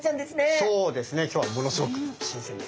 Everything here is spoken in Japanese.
そうですね今日はものすごく新鮮です。